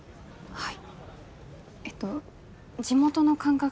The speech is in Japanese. はい。